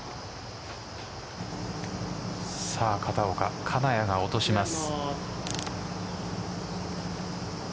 さあ片岡、金谷が落とします。